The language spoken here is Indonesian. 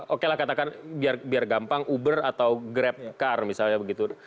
oke lah katakan biar gampang uber atau grab car misalnya begitu